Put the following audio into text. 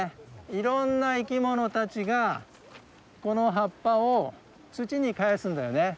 いろんな生き物たちがこの葉っぱを土にかえすんだよね。